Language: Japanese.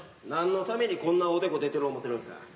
なんのためにこんなおでこ出てる思うてるんすか？